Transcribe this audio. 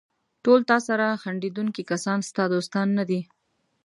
ټول تاسره خندېدونکي کسان ستا دوستان نه دي.